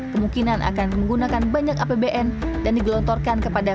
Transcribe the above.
kemungkinan akan menggunakan banyak apbn dan digelontorkan kepada